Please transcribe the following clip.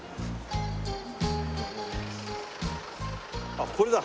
あっこれだ。